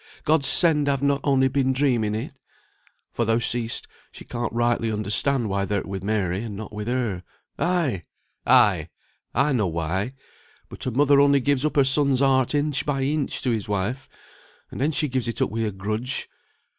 God send I've not been only dreaming it!' For thou see'st she can't rightly understand why thou'rt with Mary, and not with her. Ay, ay! I know why; but a mother only gives up her son's heart inch by inch to his wife, and then she gives it up with a grudge.